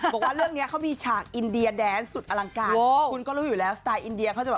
บอกว่าเรื่องนี้เขามีฉากอินเดียแดนสุดอลังการคุณก็รู้อยู่แล้วสไตล์อินเดียเขาจะแบบ